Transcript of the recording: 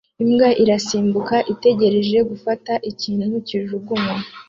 Imbwa irasimbuka itegereje gufata ikintu kijugunywa